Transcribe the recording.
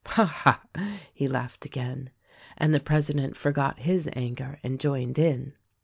"Ha, ha!" he laughed again. And the president forgot his anger and joined in.